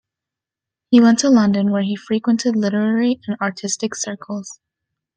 He went to London, where he frequented literary and artistic circles.